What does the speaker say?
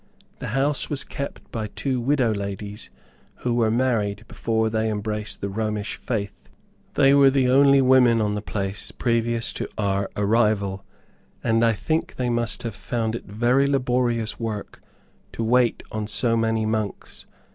The house was kept by two widow ladies who were married before they embraced the Romish faith. They were the only women on the place previous to our arrival, and I think they must have found it very laborious work to wait upon so many monks.